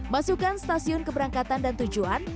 masukkan stasiun keberangkatan dan tujuan